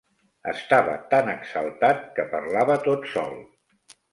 Estava tan exaltat, que parlava tot sol.